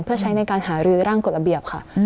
เพื่อใช้ในการหารือร่างกฎระเบียบค่ะ